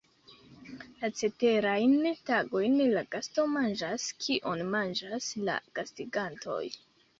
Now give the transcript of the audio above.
La ceterajn tagojn la gasto manĝas kion manĝas la gastigantoj.